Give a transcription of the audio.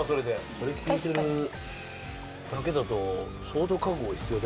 それ聞いてるだけだと。